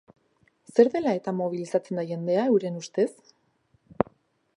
Zer dela-eta mobilizatzen da jendea, euren ustez?